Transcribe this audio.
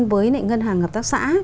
với ngân hàng hợp tác xã